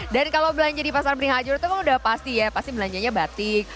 dan kalau belanja di pasar beringharjo itu kan udah pasti ya pasti belanjanya batik